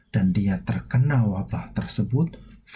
dan dia terkena wabah tersebut